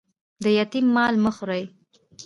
د یتیم مال مه خورئ